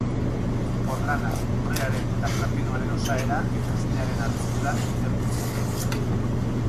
Porlana, urrearen eta platinoaren osaera eta esnearen hartzidura ikertu zituen.